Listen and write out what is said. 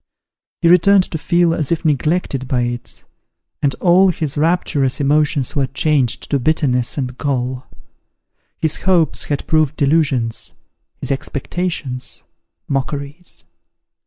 He returned to feel as if neglected by it, and all his rapturous emotions were changed to bitterness and gall. His hopes had proved delusions his expectations, mockeries.